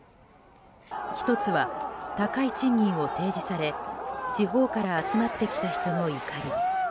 １つは、高い賃金を提示され地方から集まってきた人の怒り。